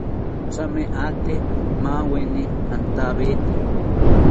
Thame ate maweni antawete